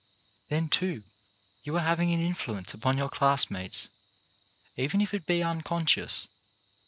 Then, too, you are having an influence upon your classmates, even if it be unconscious.